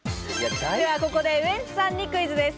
ここでウエンツさんにクイズです。